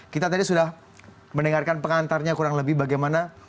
kita tadi sudah mendengarkan pengantarnya kurang lebih bagaimana